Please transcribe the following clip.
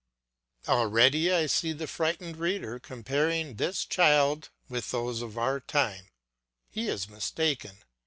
Already I see the frightened reader comparing this child with those of our time; he is mistaken.